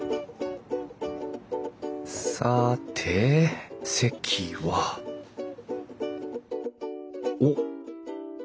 さて席はおっ！